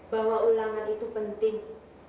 bahwa ulangan itu penting